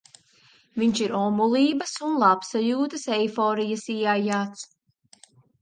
Viņš ir omulības un labsajūtas eiforijas ieaijāts.